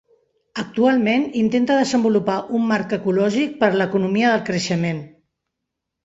Actualment intenta desenvolupar un marc ecològic per a l'economia del creixement.